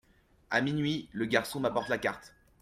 À minuit le garçon m’apporte la carte.